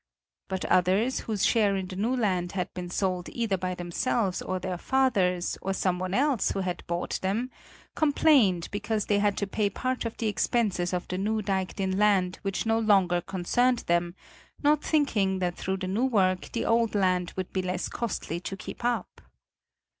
But others, whose shares in the new land had been sold either by themselves or their fathers or someone else who had bought them, complained because they had to pay part of the expenses of the new diked in land which no longer concerned them, not thinking that through the new work the old lands would be less costly to keep up.